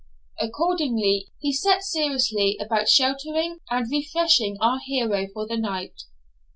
Accordingly, he set seriously about sheltering and refreshing our hero for the night.